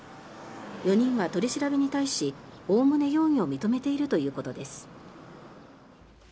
４人は取り調べに対しおおむね容疑を認めているということです。